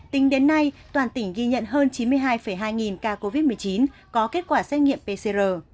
tính đến nay toàn tỉnh ghi nhận hơn chín mươi hai hai nghìn ca covid một mươi chín có kết quả xét nghiệm pcr